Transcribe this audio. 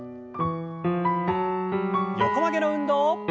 横曲げの運動。